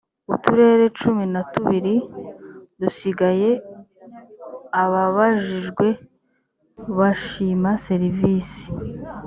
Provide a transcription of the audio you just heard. uturere cumi na tubiri dusigaye ababajijwe bashima serivisi